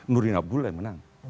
nurdin abdullah yang menang